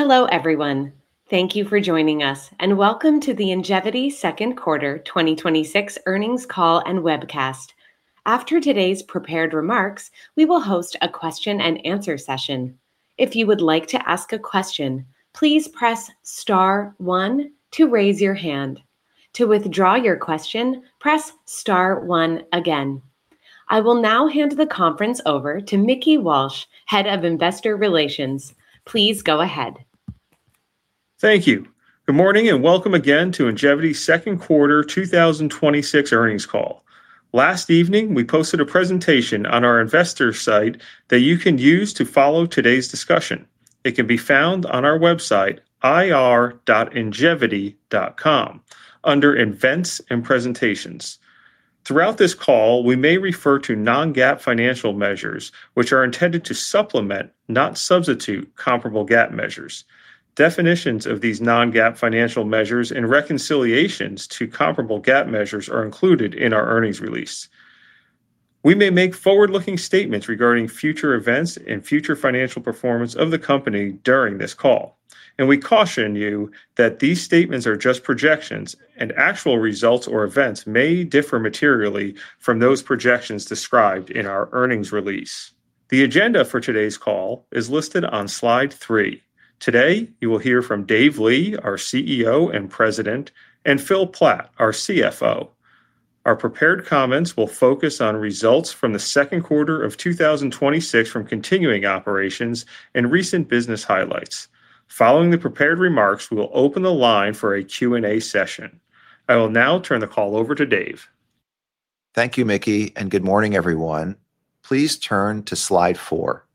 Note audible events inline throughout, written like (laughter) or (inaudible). Hello, everyone. Thank you for joining us, and welcome to the Ingevity second quarter 2026 earnings call and webcast. After today's prepared remarks, we will host a question-and-answer session. If you would like to ask a question, please press star one to raise your hand. To withdraw your question, press star one again. I will now hand the conference over to Mickey Walsh, Head of Investor Relations. Please go ahead. Thank you. Good morning, welcome again to Ingevity's second quarter 2026 earnings call. Last evening, we posted a presentation on our investor site that you can use to follow today's discussion. It can be found on our website, ir.ingevity.com, under Events and Presentations. Throughout this call, we may refer to non-GAAP financial measures, which are intended to supplement, not substitute, comparable GAAP measures. Definitions of these non-GAAP financial measures and reconciliations to comparable GAAP measures are included in our earnings release. We may make forward-looking statements regarding future events and future financial performance of the company during this call. We caution you that these statements are just projections and actual results or events may differ materially from those projections described in our earnings release. The agenda for today's call is listed on slide three. Today, you will hear from Dave Li, our CEO and President, and Phil Platt, our CFO. Our prepared comments will focus on results from the second quarter of 2026 from continuing operations and recent business highlights. Following the prepared remarks, we will open the line for a Q&A session. I will now turn the call over to Dave. Thank you, Mickey. Good morning, everyone. Please turn to slide four.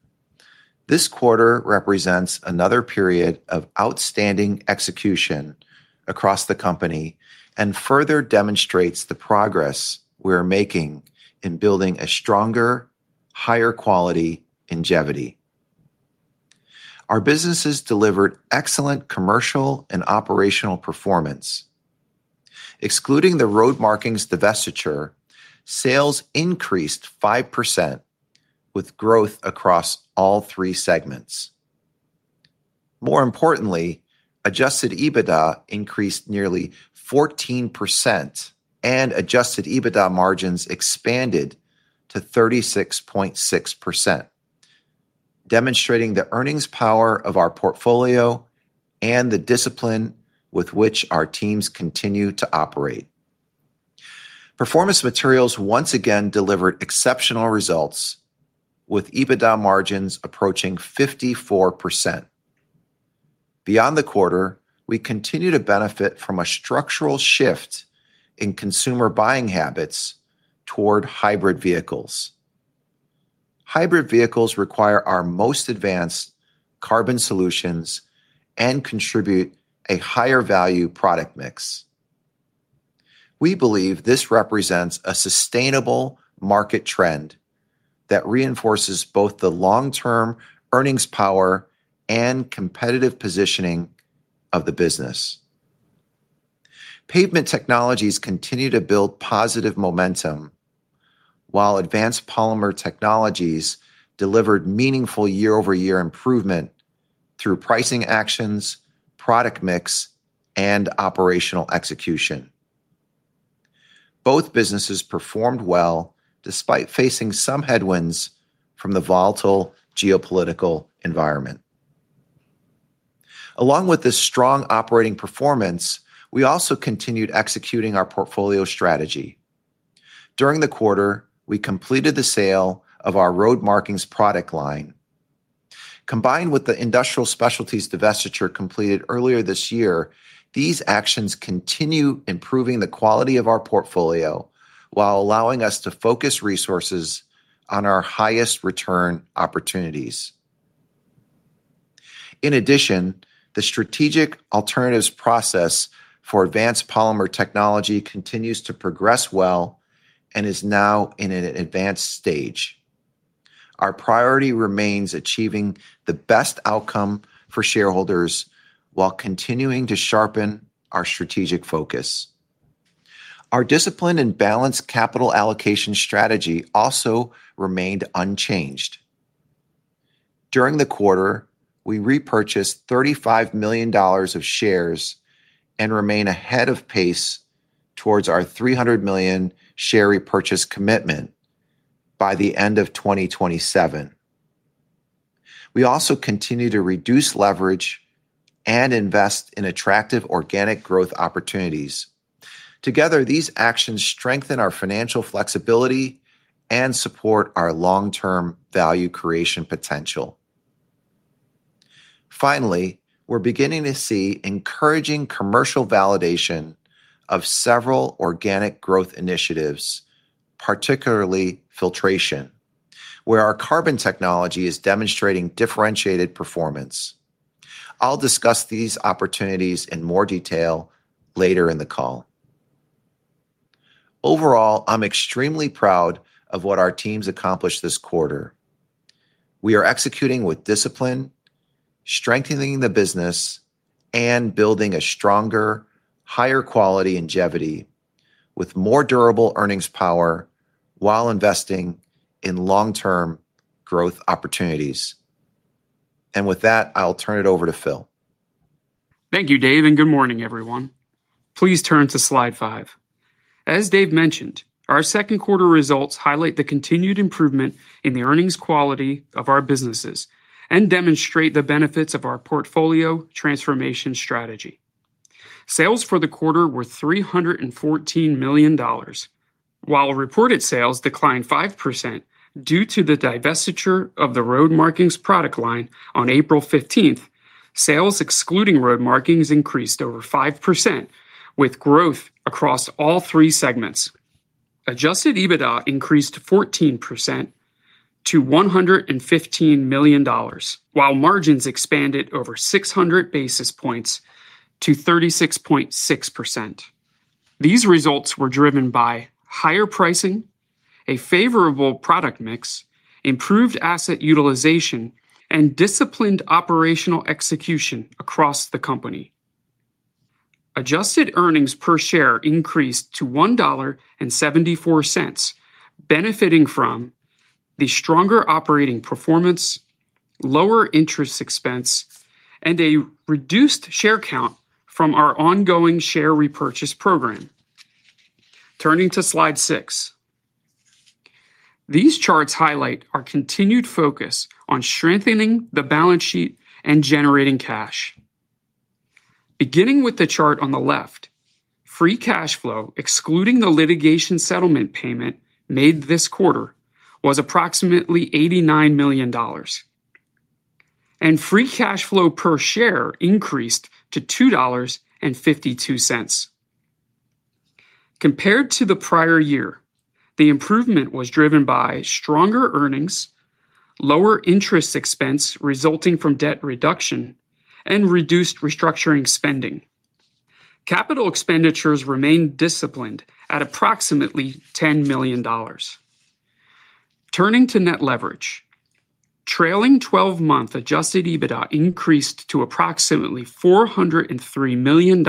This quarter represents another period of outstanding execution across the company and further demonstrates the progress we're making in building a stronger, higher quality Ingevity. Our businesses delivered excellent commercial and operational performance. Excluding the Road Markings divestiture, sales increased 5% with growth across all three segments. More importantly, adjusted EBITDA increased nearly 14% and adjusted EBITDA margins expanded to 36.6%, demonstrating the earnings power of our portfolio and the discipline with which our teams continue to operate. Performance Materials once again delivered exceptional results with EBITDA margins approaching 54%. Beyond the quarter, we continue to benefit from a structural shift in consumer buying habits toward hybrid vehicles. Hybrid vehicles require our most advanced carbon solutions and contribute a higher value product mix. We believe this represents a sustainable market trend that reinforces both the long-term earnings power and competitive positioning of the business. Pavement Technologies continue to build positive momentum, while Advanced Polymer Technologies delivered meaningful year-over-year improvement through pricing actions, product mix, and operational execution. Both businesses performed well despite facing some headwinds from the volatile geopolitical environment. Along with this strong operating performance, we also continued executing our portfolio strategy. During the quarter, we completed the sale of our Road Markings product line. Combined with the Industrial Specialties divestiture completed earlier this year, these actions continue improving the quality of our portfolio while allowing us to focus resources on our highest return opportunities. In addition, the strategic alternatives process for Advanced Polymer Technologies continues to progress well and is now in an advanced stage. Our priority remains achieving the best outcome for shareholders while continuing to sharpen our strategic focus. Our disciplined and balanced capital allocation strategy also remained unchanged. During the quarter, we repurchased $35 million of shares and remain ahead of pace towards our $300 million share repurchase commitment by the end of 2027. We also continue to reduce leverage and invest in attractive organic growth opportunities. Together, these actions strengthen our financial flexibility and support our long-term value creation potential. Finally, we're beginning to see encouraging commercial validation of several organic growth initiatives, particularly filtration, where our carbon technology is demonstrating differentiated performance. I'll discuss these opportunities in more detail later in the call. Overall, I'm extremely proud of what our teams accomplished this quarter. We are executing with discipline, strengthening the business, and building a stronger, higher quality Ingevity with more durable earnings power while investing in long-term growth opportunities. With that, I'll turn it over to Phil. Thank you, Dave, and good morning, everyone. Please turn to slide five. As Dave mentioned, our second quarter results highlight the continued improvement in the earnings quality of our businesses and demonstrate the benefits of our portfolio transformation strategy. Sales for the quarter were $314 million. While reported sales declined 5% due to the divestiture of the Road Markings product line on April 15th, sales excluding Road Markings increased over 5%, with growth across all three segments. Adjusted EBITDA increased 14% to $115 million, while margins expanded over 600 basis points to 36.6%. These results were driven by higher pricing, a favorable product mix, improved asset utilization, and disciplined operational execution across the company. Adjusted earnings per share increased to $1.74, benefiting from the stronger operating performance, lower interest expense, and a reduced share count from our ongoing share repurchase program. Turning to slide six. These charts highlight our continued focus on strengthening the balance sheet and generating cash. Beginning with the chart on the left, free cash flow, excluding the litigation settlement payment made this quarter, was approximately $89 million. Free cash flow per share increased to $2.52. Compared to the prior year, the improvement was driven by stronger earnings, lower interest expense resulting from debt reduction, and reduced restructuring spending. Capital expenditures remained disciplined at approximately $10 million. Turning to net leverage, trailing 12-month adjusted EBITDA increased to approximately $403 million,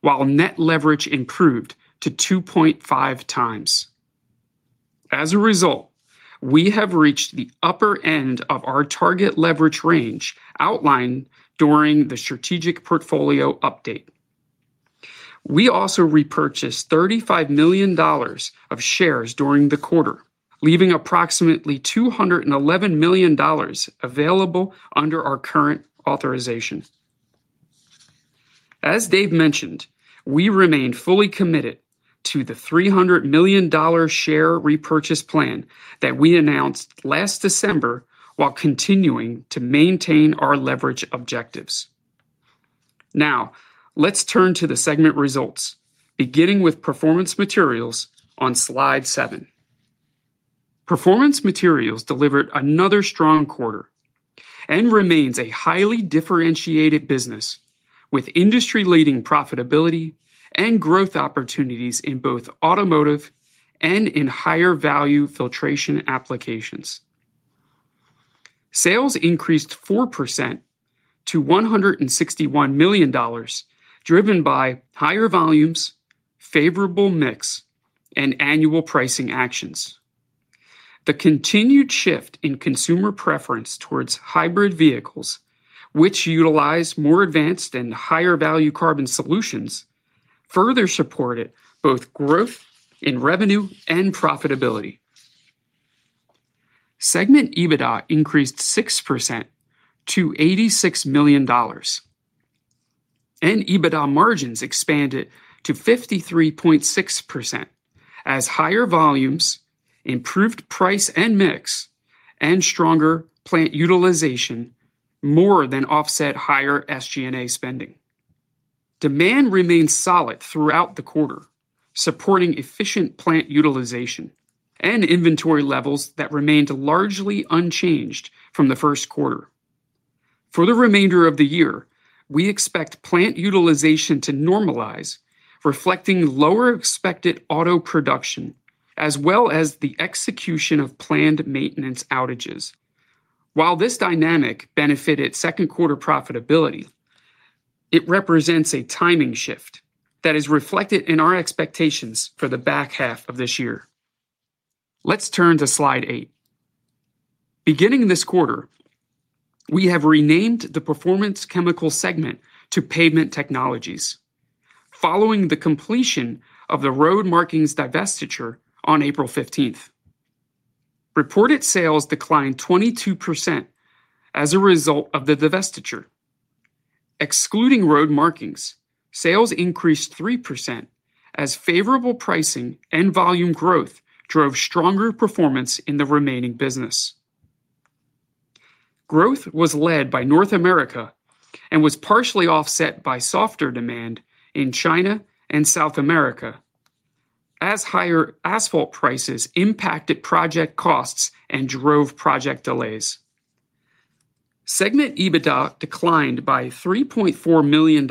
while net leverage improved to 2.5x. As a result, we have reached the upper end of our target leverage range outlined during the strategic portfolio update. We also repurchased $35 million of shares during the quarter, leaving approximately $211 million available under our current authorization. As Dave mentioned, we remain fully committed to the $300 million share repurchase plan that we announced last December while continuing to maintain our leverage objectives. Let's turn to the segment results, beginning with Performance Materials on slide seven. Performance Materials delivered another strong quarter and remains a highly differentiated business, with industry-leading profitability and growth opportunities in both automotive and in higher-value filtration applications. Sales increased 4% to $161 million, driven by higher volumes, favorable mix, and annual pricing actions. The continued shift in consumer preference towards hybrid vehicles, which utilize more advanced and higher-value carbon solutions, further supported both growth in revenue and profitability. Segment EBITDA increased 6% to $86 million, and EBITDA margins expanded to 53.6% as higher volumes, improved price and mix, and stronger plant utilization more than offset higher SG&A spending. Demand remained solid throughout the quarter, supporting efficient plant utilization and inventory levels that remained largely unchanged from the first quarter. For the remainder of the year, we expect plant utilization to normalize, reflecting lower expected auto production, as well as the execution of planned maintenance outages. While this dynamic benefited second quarter profitability, it represents a timing shift that is reflected in our expectations for the back half of this year. Let's turn to slide eight. Beginning this quarter, we have renamed the Performance Chemicals segment to Pavement Technologies, following the completion of the Road Markings divestiture on April 15th. Reported sales declined 22% as a result of the divestiture. Excluding Road Markings, sales increased 3% as favorable pricing and volume growth drove stronger performance in the remaining business. Growth was led by North America and was partially offset by softer demand in China and South America as higher asphalt prices impacted project costs and drove project delays. Segment EBITDA declined by $3.4 million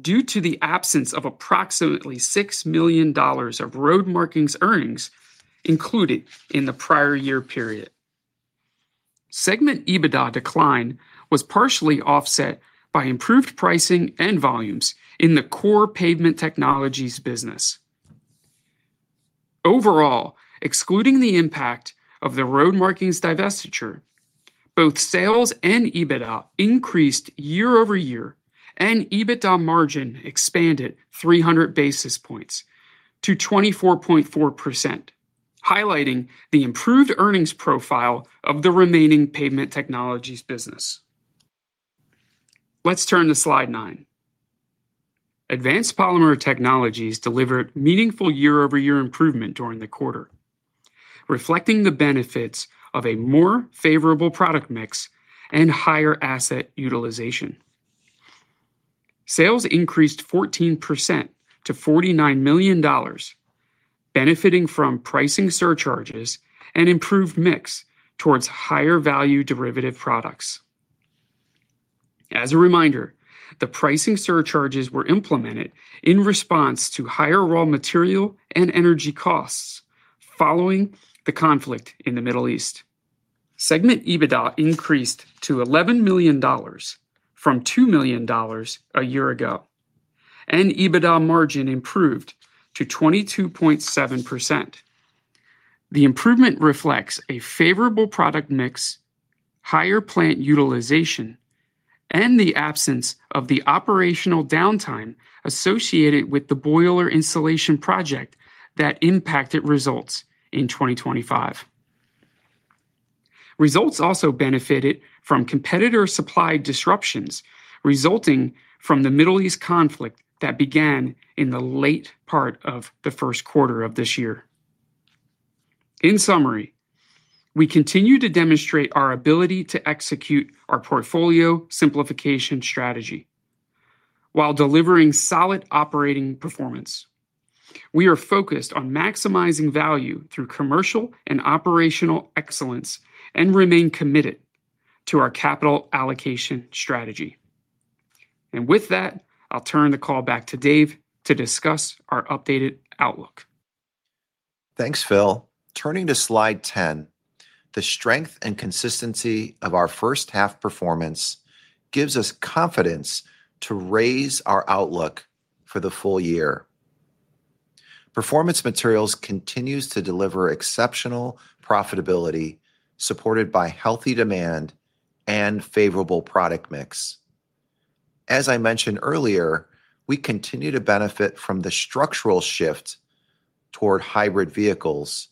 due to the absence of approximately $6 million of Road Markings earnings included in the prior year period. Segment EBITDA decline was partially offset by improved pricing and volumes in the core Pavement Technologies business. Overall, excluding the impact of the Road Markings divestiture, both sales and EBITDA increased year-over-year, and EBITDA margin expanded 300 basis points to 24.4%, highlighting the improved earnings profile of the remaining Pavement Technologies business. Let's turn to slide nine. Advanced Polymer Technologies delivered meaningful year-over-year improvement during the quarter, reflecting the benefits of a more favorable product mix and higher asset utilization. Sales increased 14% to $49 million, benefiting from pricing surcharges and improved mix towards higher value derivative products. As a reminder, the pricing surcharges were implemented in response to higher raw material and energy costs following the conflict in the Middle East. Segment EBITDA increased to $11 million from $2 million a year ago, and EBITDA margin improved to 22.7%. The improvement reflects a favorable product mix, higher plant utilization, and the absence of the operational downtime associated with the boiler installation project that impacted results in 2025. Results also benefited from competitor supply disruptions resulting from the Middle East conflict that began in the late part of the first quarter of this year. In summary, we continue to demonstrate our ability to execute our portfolio simplification strategy, while delivering solid operating performance. We are focused on maximizing value through commercial and operational excellence and remain committed to our capital allocation strategy. With that, I'll turn the call back to Dave to discuss our updated outlook. Thanks, Phil. Turning to slide 10, the strength and consistency of our first half performance gives us confidence to raise our outlook for the full year. Performance Materials continues to deliver exceptional profitability, supported by healthy demand and favorable product mix. As I mentioned earlier, we continue to benefit from the structural shift toward hybrid vehicles,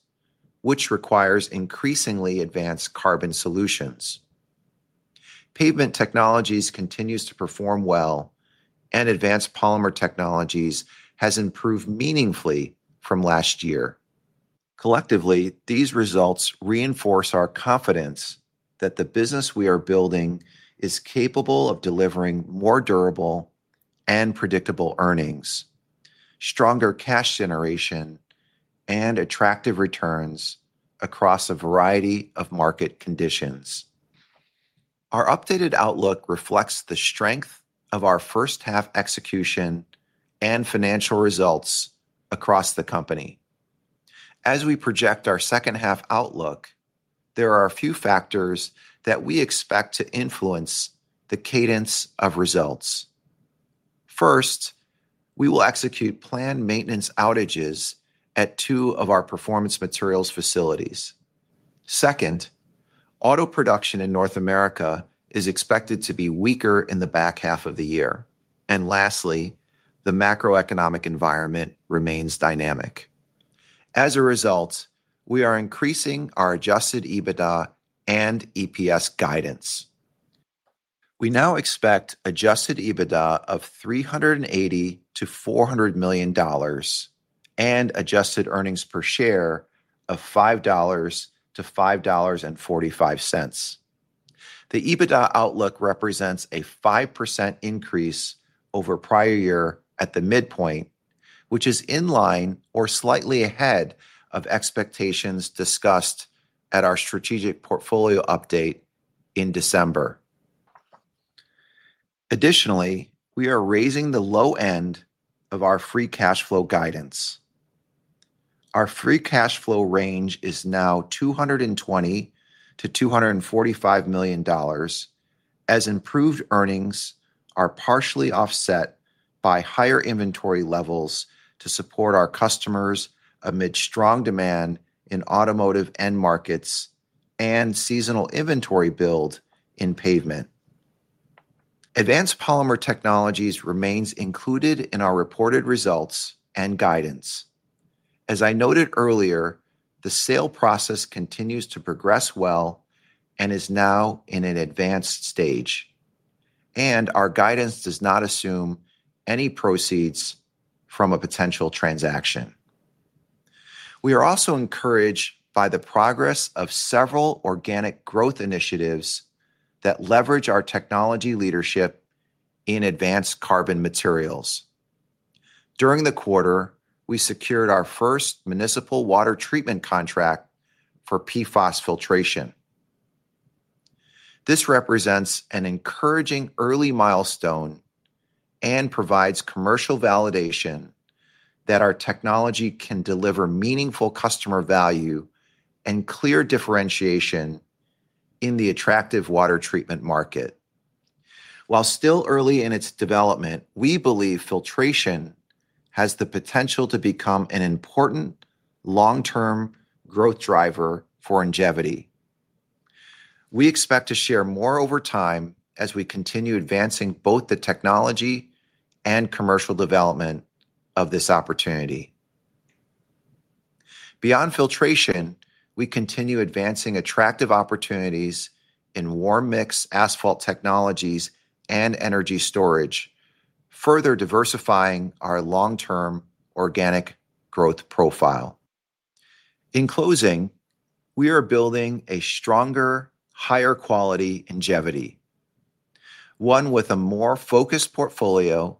which requires increasingly advanced carbon solutions. Pavement Technologies continues to perform well, and Advanced Polymer Technologies has improved meaningfully from last year. Collectively, these results reinforce our confidence that the business we are building is capable of delivering more durable and predictable earnings, stronger cash generation, and attractive returns across a variety of market conditions. Our updated outlook reflects the strength of our first half execution and financial results across the company. As we project our second half outlook, there are a few factors that we expect to influence the cadence of results. First, we will execute planned maintenance outages at two of our Performance Materials facilities. Second, auto production in North America is expected to be weaker in the back half of the year. Lastly, the macroeconomic environment remains dynamic. As a result, we are increasing our adjusted EBITDA and EPS guidance. We now expect adjusted EBITDA of $380 million-$400 million and adjusted earnings per share of $5-$5.45. The EBITDA outlook represents a 5% increase over prior year at the midpoint, which is in line or slightly ahead of expectations discussed at our strategic portfolio update in December. Additionally, we are raising the low end of our free cash flow guidance. Our free cash flow range is now $220 million-$245 million, as improved earnings are partially offset by higher inventory levels to support our customers amid strong demand in automotive end markets and seasonal inventory build in pavement. Advanced Polymer Technologies remains included in our reported results and guidance. As I noted earlier, the sale process continues to progress well and is now in an advanced stage, and our guidance does not assume any proceeds from a potential transaction. We are also encouraged by the progress of several organic growth initiatives that leverage our technology leadership in activated carbon materials. During the quarter, we secured our first municipal water treatment contract for PFAS filtration. This represents an encouraging early milestone provides commercial validation that our technology can deliver meaningful customer value and clear differentiation in the attractive water treatment market. While still early in its development, we believe filtration has the potential to become an important long-term growth driver for Ingevity. We expect to share more over time as we continue advancing both the technology and commercial development of this opportunity. Beyond filtration, we continue advancing attractive opportunities in warm mix asphalt technologies and energy storage, further diversifying our long-term organic growth profile. In closing, we are building a stronger, higher quality Ingevity. One with a more focused portfolio,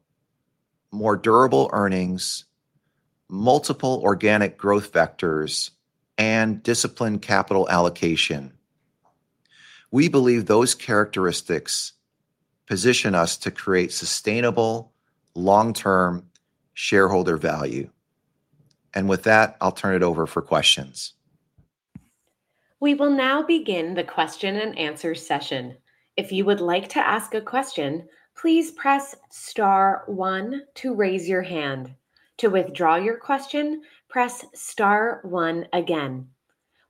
more durable earnings, multiple organic growth vectors, and disciplined capital allocation. We believe those characteristics position us to create sustainable long-term shareholder value. With that, I'll turn it over for questions. We will now begin the question-and-answer session. If you would like to ask a question, please press star one to raise your hand. To withdraw your question, press star one again.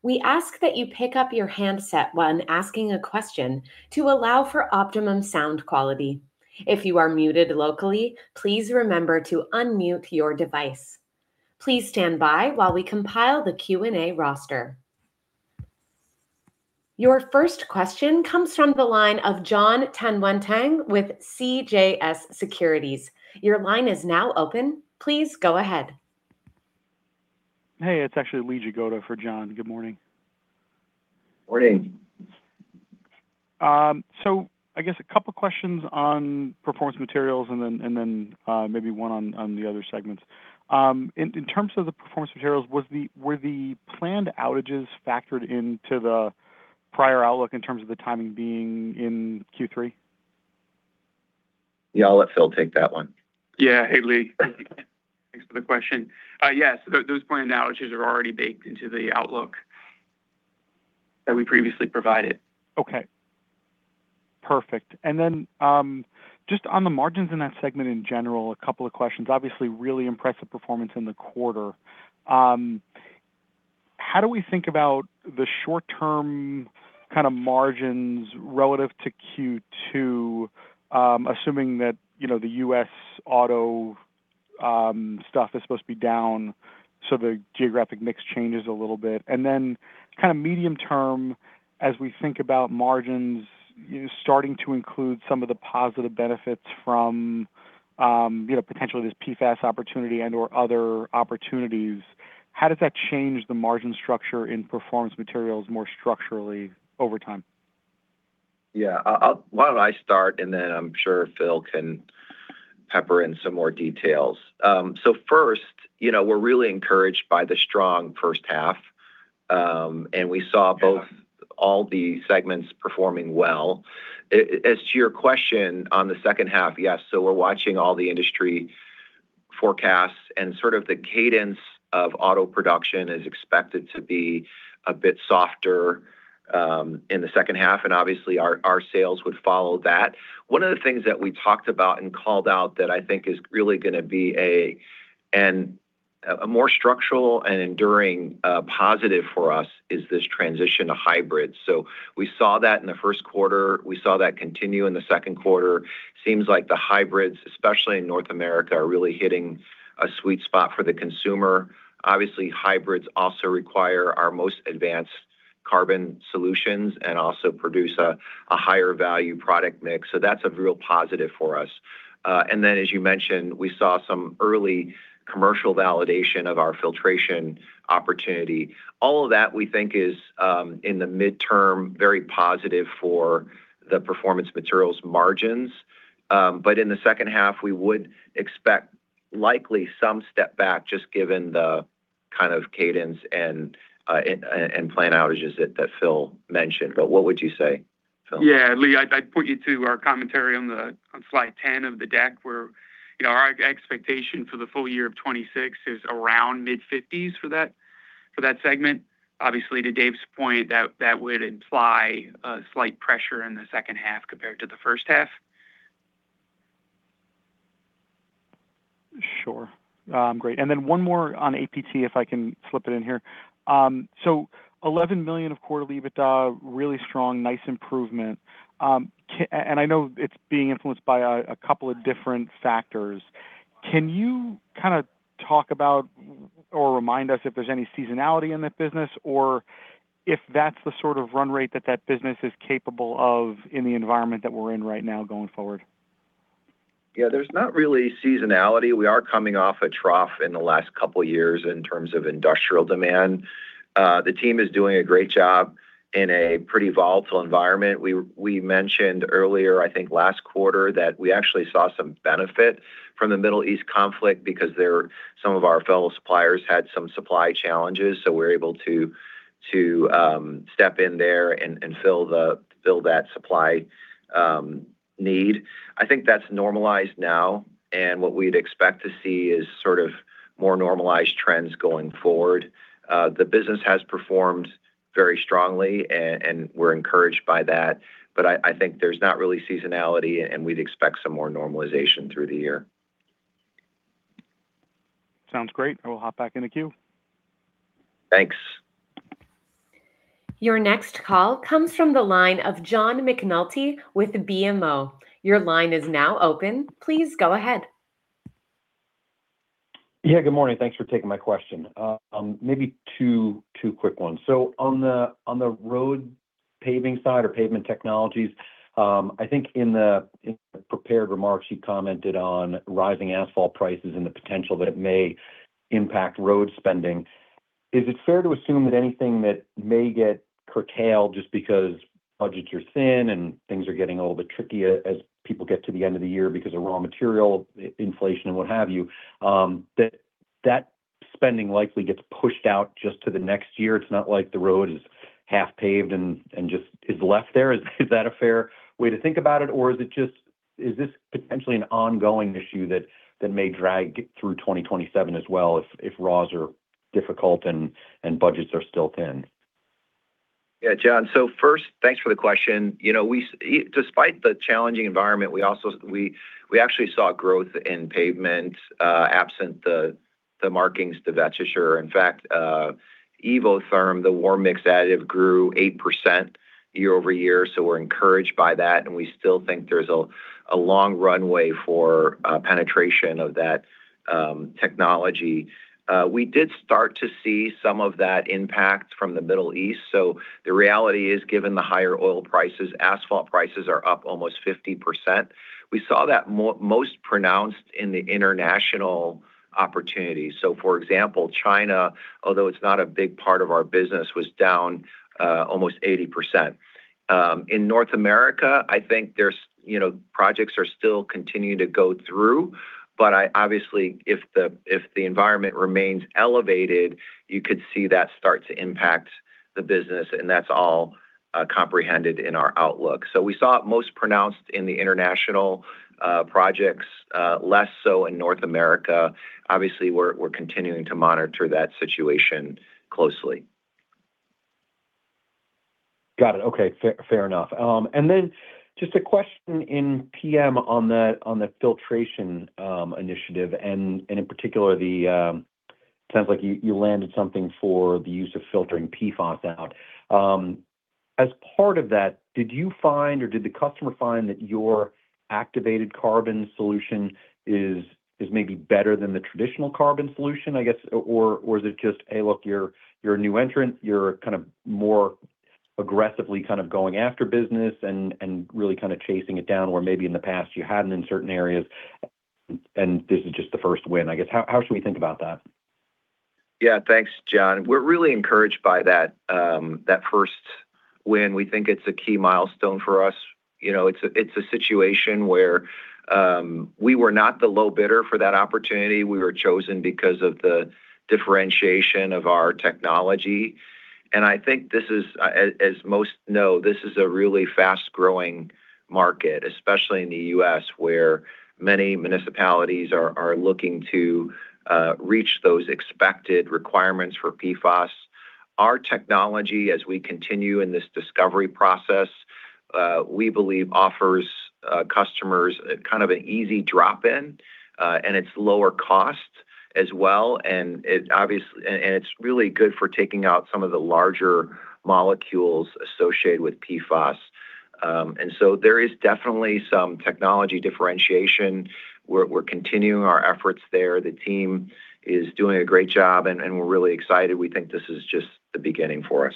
We ask that you pick up your handset when asking a question to allow for optimum sound quality. If you are muted locally, please remember to unmute your device. Please stand by while we compile the Q&A roster. Your first question comes from the line of Jon Tanwanteng with CJS Securities. Your line is now open. Please go ahead. Hey, it's actually Lee Jagoda for John. Good morning. Morning. I guess a couple questions on Performance Materials and then maybe one on the other segments. In terms of the Performance Materials, were the planned outages factored into the prior outlook in terms of the timing being in Q3? Yeah, I'll let Phil take that one. Yeah. Hey, Lee. Thanks for the question. Yes, those planned outages are already baked into the outlook that we previously provided. Okay. Perfect. Just on the margins in that segment in general, a couple of questions. Obviously, really impressive performance in the quarter. How do we think about the short-term kind of margins relative to Q2? Assuming that the U.S. auto stuff is supposed to be down, so the geographic mix changes a little bit. Kind of medium term, as we think about margins starting to include some of the positive benefits from potentially this PFAS opportunity and or other opportunities. How does that change the margin structure in Performance Materials more structurally over time? Yeah. Why don't I start, and then I'm sure Phil can pepper in some more details. First, we're really encouraged by the strong first half, and we saw both all the segments performing well. As to your question on the second half, Yes, we're watching all the industry forecasts and sort of the cadence of auto production is expected to be a bit softer in the second half, and obviously our sales would follow that. One of the things that we talked about and called out that I think is really going to be a more structural and enduring positive for us is this transition to hybrid. We saw that in the first quarter, we saw that continue in the second quarter. Seems like the hybrids, especially in North America, are really hitting a sweet spot for the consumer. Hybrids also require our most advanced carbon solutions and also produce a higher value product mix, so that's a real positive for us. As you mentioned, we saw some early commercial validation of our filtration opportunity. All of that we think is, in the mid-term, very positive for the Performance Materials margins. In the second half, we would expect likely some step back, just given the kind of cadence and plan outages that Phil mentioned. What would you say, Phil? Lee, I'd point you to our commentary on slide 10 of the deck, where our expectation for the full year of 2026 is around mid-50s for that segment. To Dave's point, that would imply a slight pressure in the second half compared to the first half. Sure. Great. One more on APT, if I can slip it in here. $11 million of quarterly EBITDA, really strong, nice improvement. I know it's being influenced by a couple of different factors. Can you kind of talk about or remind us if there's any seasonality in that business, or if that's the sort of run rate that that business is capable of in the environment that we're in right now going forward? There's not really seasonality. We are coming off a trough in the last couple of years in terms of industrial demand. The team is doing a great job in a pretty volatile environment. We mentioned earlier, I think last quarter, that we actually saw some benefit from the Middle East conflict because some of our fellow suppliers had some supply challenges, so we were able to step in there and fill that supply need. I think that's normalized now. What we'd expect to see is more normalized trends going forward. The business has performed very strongly. We're encouraged by that. I think there's not really seasonality. We'd expect some more normalization through the year. Sounds great. I will hop back in the queue. Thanks. Your next call comes from the line of John McNulty with BMO. Your line is now open. Please go ahead. Good morning. Thanks for taking my question. Maybe two quick ones. On the road paving side or Pavement Technologies, I think in the prepared remarks, you commented on rising asphalt prices and the potential that it may impact road spending. Is it fair to assume that anything that may get curtailed just because budgets are thin and things are getting a little bit trickier as people get to the end of the year because of raw material inflation and what have you, that spending likely gets pushed out just to the next year? It's not like the road is half paved and just is left there. Is that a fair way to think about it, or is this potentially an ongoing issue that may drag through 2027 as well if raws are difficult and budgets are still thin? John. First, thanks for the question. Despite the challenging environment, we actually saw growth in pavement, absent the Markings, the (inaudible) In fact, Evotherm, the warm mix additive, grew 8% year-over-year. We're encouraged by that, and we still think there's a long runway for penetration of that technology. We did start to see some of that impact from the Middle East. The reality is, given the higher oil prices, asphalt prices are up almost 50%. We saw that most pronounced in the international opportunities. For example, China, although it's not a big part of our business, was down almost 80%. In North America, I think projects are still continuing to go through. Obviously if the environment remains elevated, you could see that start to impact the business, and that's all comprehended in our outlook. We saw it most pronounced in the international projects, less so in North America. Obviously, we're continuing to monitor that situation closely. Got it. Okay. Fair enough. Just a question in PM on the filtration initiative, and in particular, sounds like you landed something for the use of filtering PFAS out. As part of that, did you find, or did the customer find that your activated carbon solution is maybe better than the traditional carbon solution, I guess, or is it just, hey, look, you're a new entrant, you're more aggressively going after business and really chasing it down where maybe in the past you hadn't in certain areas, and this is just the first win, I guess. How should we think about that? Thanks, John. We're really encouraged by that first win. We think it's a key milestone for us. It's a situation where we were not the low bidder for that opportunity. We were chosen because of the differentiation of our technology. I think as most know, this is a really fast-growing market, especially in the U.S., where many municipalities are looking to reach those expected requirements for PFAS. Our technology, as we continue in this discovery process, we believe offers customers an easy drop-in, and it's lower cost as well, and it's really good for taking out some of the larger molecules associated with PFAS. There is definitely some technology differentiation. We're continuing our efforts there. The team is doing a great job, and we're really excited. We think this is just the beginning for us.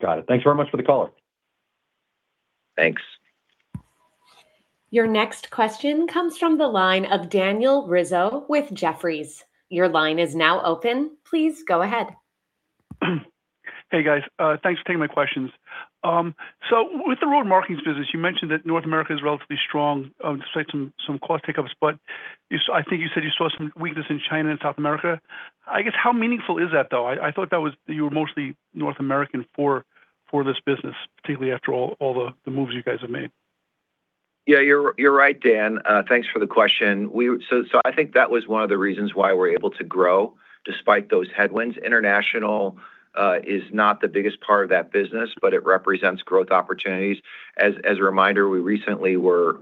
Got it. Thanks very much for the color. Thanks. Your next question comes from the line of Daniel Rizzo with Jefferies. Your line is now open. Please go ahead. Hey, guys. Thanks for taking my questions. With the Road Markings business, you mentioned that North America is relatively strong despite some cost take-ups, but I think you said you saw some weakness in China and South America. I guess, how meaningful is that, though? I thought that you were mostly North American for this business, particularly after all the moves you guys have made. Yeah, you're right, Dan. Thanks for the question. I think that was one of the reasons why we're able to grow despite those headwinds. International is not the biggest part of that business, but it represents growth opportunities. As a reminder, we recently were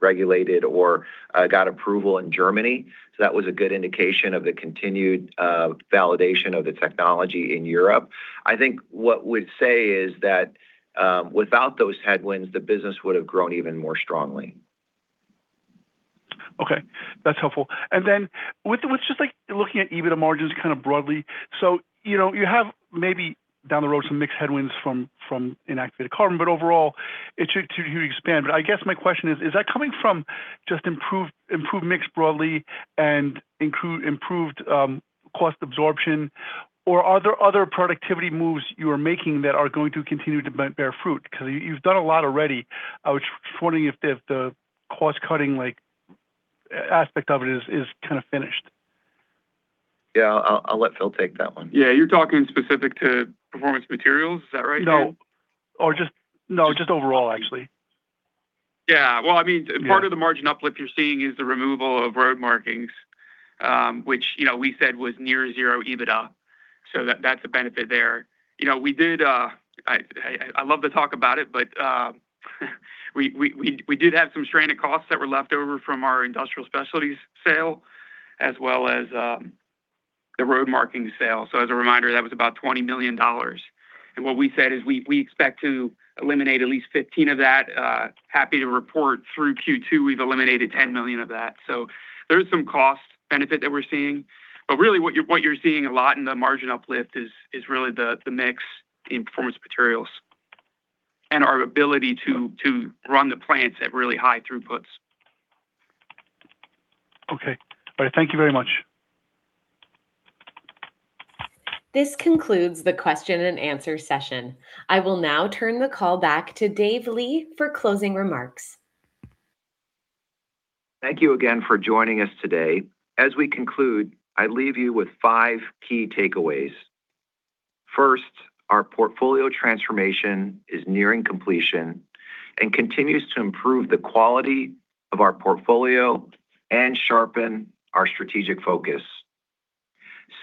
regulated or got approval in Germany, so that was a good indication of the continued validation of the technology in Europe. I think what we'd say is that without those headwinds, the business would have grown even more strongly. Okay. That's helpful. With just looking at EBITDA margins broadly, you have maybe down the road some mixed headwinds from activated carbon, overall, it should continue to expand. I guess my question is that coming from just improved mix broadly and improved cost absorption Or are there other productivity moves you are making that are going to continue to bear fruit? Because you've done a lot already. I was wondering if the cost-cutting like aspect of it is kind of finished. Yeah, I'll let Phil take that one. Yeah, you're talking specific to Performance Materials. Is that right? No. Just overall, actually. Well, part of the margin uplift you're seeing is the removal of Road Markings, which we said was near zero EBITDA. That's a benefit there. I'd love to talk about it, but we did have some stranded costs that were left over from our Industrial Specialties sale, as well as the Road Markings sale. As a reminder, that was about $20 million. What we said is we expect to eliminate at least $15 million of that. Happy to report through Q2, we've eliminated $10 million of that. There is some cost benefit that we're seeing. Really what you're seeing a lot in the margin uplift is really the mix in Performance Materials and our ability to run the plants at really high throughputs. Okay. All right. Thank you very much. This concludes the question-and-answer session. I will now turn the call back to Dave Li for closing remarks. Thank you again for joining us today. As we conclude, I leave you with five key takeaways. First, our portfolio transformation is nearing completion and continues to improve the quality of our portfolio and sharpen our strategic focus.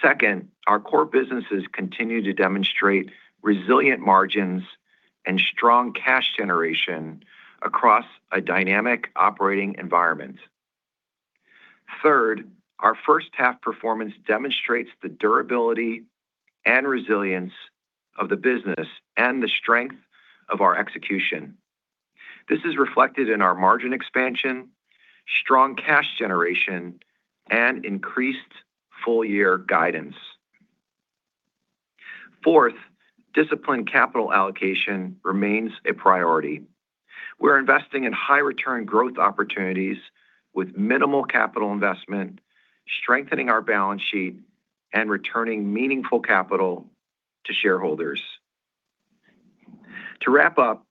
Second, our core businesses continue to demonstrate resilient margins and strong cash generation across a dynamic operating environment. Third, our first-half performance demonstrates the durability and resilience of the business and the strength of our execution. This is reflected in our margin expansion, strong cash generation, and increased full-year guidance. Fourth, disciplined capital allocation remains a priority. We're investing in high-return growth opportunities with minimal capital investment, strengthening our balance sheet, and returning meaningful capital to shareholders. To wrap up,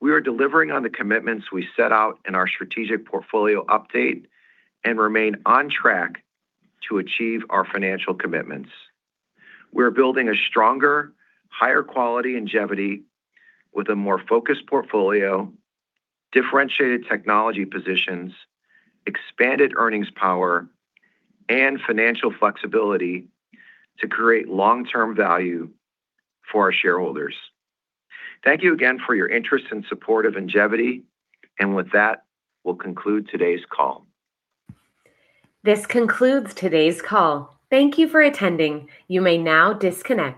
we are delivering on the commitments we set out in our strategic portfolio update and remain on track to achieve our financial commitments. We are building a stronger, higher quality Ingevity with a more focused portfolio, differentiated technology positions, expanded earnings power, and financial flexibility to create long-term value for our shareholders. Thank you again for your interest and support of Ingevity. With that, we'll conclude today's call. This concludes today's call. Thank you for attending. You may now disconnect.